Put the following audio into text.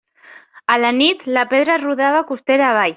A la nit, la pedra rodava costera avall.